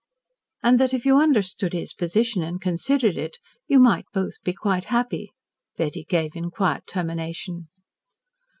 "And that if you understood his position and considered it, you might both be quite happy," Betty gave in quiet termination.